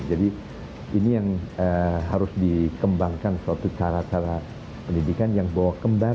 jadi ini yang harus dikembangkan suatu cara cara pendidikan yang bawa kembar